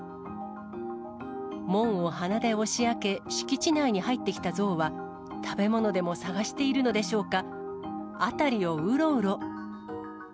門を鼻で押し開け、敷地内に入ってきたゾウは、食べ物でも探しているのでしょうか、辺りをうろうろ。